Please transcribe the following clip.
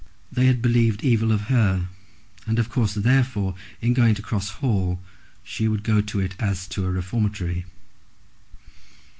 They had believed evil of her, and of course, therefore, in going to Cross Hall, she would go to it as to a reformatory.